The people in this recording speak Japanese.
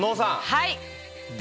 はい。